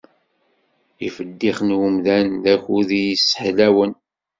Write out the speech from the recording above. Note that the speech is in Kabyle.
Ifeddix n umdan d akud i t-sseḥlawen.